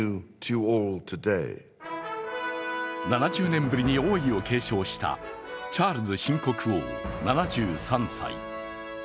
７０年ぶりに王位を継承したチャールズ新国王７３歳。